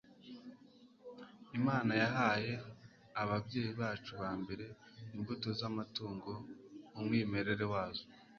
imana yahaye ababyeyi bacu ba mbere imbuto z'amatunda mu mwimerere wazo